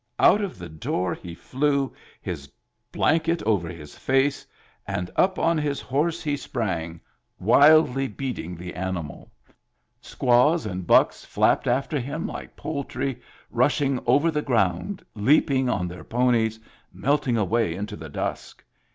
Out of the door he flew, his blanket over his face, and up on his horse he sprang, Digitized by Google 66 MEMBERS OF THE FAMILY wildly beating the animal. Squaws and bucks flapped after him like poultry, rushing over the ground, leaping on their ponies, melting away into the dusk.